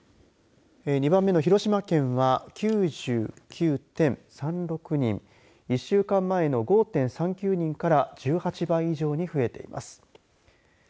２番目の広島県は９９．３６人１週間前の５．３９人から１８倍以上に増えています。